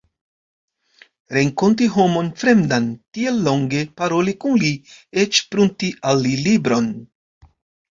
Renkonti homon fremdan, tiel longe paroli kun li, eĉ prunti al li libron!